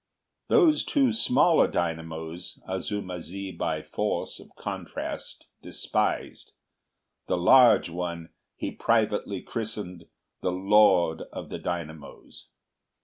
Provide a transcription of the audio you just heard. Those two smaller dynamos, Azuma zi by force of contrast despised; the large one he privately christened the Lord of the Dynamos.